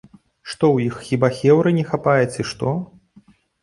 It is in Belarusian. Што ў іх хіба хеўры не хапае, ці што?